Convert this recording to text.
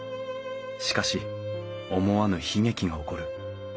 しかし思わぬ悲劇が起こる。